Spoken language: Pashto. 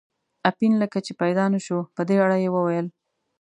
اپین لکه چې پیدا نه شو، په دې اړه یې وویل.